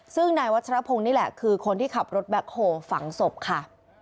ซึ่งนายวัชรพงศ์นี่แหละคือคนที่ขับรถแบ็คโฮลฝังศพค่ะ